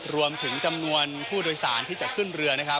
รวมถึงจำนวนผู้ดยสารที่จะขึ้นเรือ